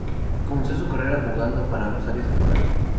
Comenzó su carrera jugando para Rosario Central.